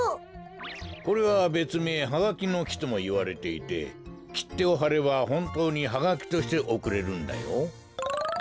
これはべつめいハガキの木ともいわれていてきってをはればほんとうにハガキとしておくれるんだよ。